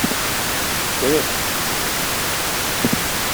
Kkret.